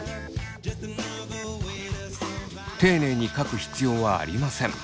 丁寧に書く必要はありません。